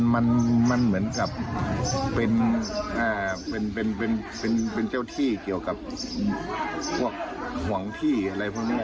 มันเหมือนกับเป็นเจ้าที่เกี่ยวกับพวกห่วงที่อะไรพวกนี้